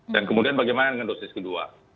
dan kemudian bagaimana dengan dosis kedua